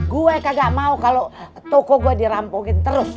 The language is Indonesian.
gue kagak mau kalau toko gue dirampokin terus